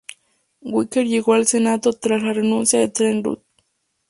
Wicker llegó al Senado tras la renuncia de Trent Lott.